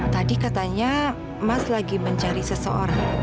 tadi katanya mas lagi mencari seseorang